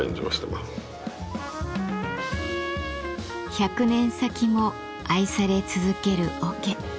１００年先も愛され続ける桶。